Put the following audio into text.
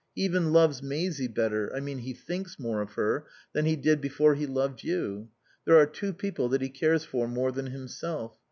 He even loves Maisie better I mean he thinks more of her than he did before he loved you. There are two people that he cares for more than himself.